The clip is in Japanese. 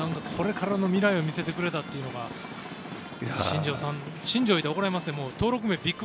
これからの未来を見せてくれたというのが新庄って言ったら怒られますね。